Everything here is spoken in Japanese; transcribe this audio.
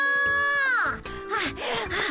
はあはあ。